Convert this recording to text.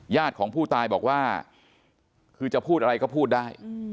ญาติของผู้ตายบอกว่าคือจะพูดอะไรก็พูดได้